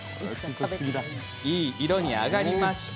いい色に揚がりました。